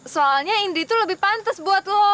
soalnya indri tuh lebih pantes buat lo